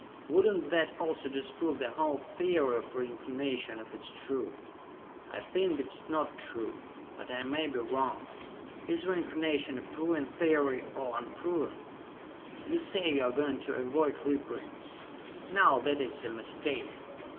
Would not that also disprove the whole theory of reincarnation if it is true? I think it is not true, but I may be wrong. Is reincarnation a proven theory, or unproven? You say you are going to avoid reprints. Now that is a mistake.